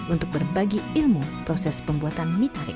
untuk berbagi ilmu proses pembuatan mie tarik